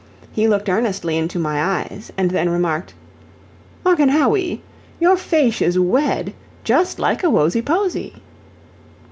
He looked earnestly into my eyes and then remarked: "Ocken Hawwy, your faysh is wed, djust like a wosy posy."